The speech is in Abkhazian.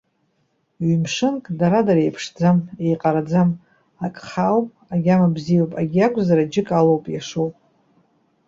Ҩмшынк, дара-дара еиԥшӡам, еиҟараӡам, акы хаауп, агьама бзиоуп. Агьи акәзар, аџьыка алоуп, иашоуп.